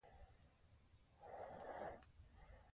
خلک د دې قهرمانۍ ستاینه کوي.